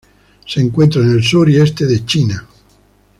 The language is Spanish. Se encuentra en el sur y este de China.